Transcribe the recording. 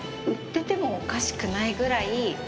売っててもおかしくないぐらい。